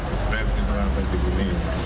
sepet kita langsung dibunyi